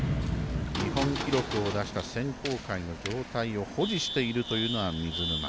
日本記録を出した選考会の状態を保持しているというのは水沼。